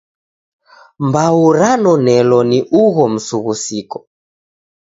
Mbau ranonelo ni ugho msughusiko.